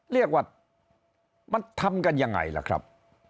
เรียกว่ามันทำกันยังไงล่ะครับ